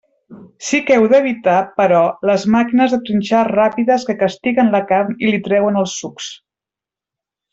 Sí que heu d'evitar, però, les màquines de trinxar ràpides que castiguen la carn i li treuen els sucs.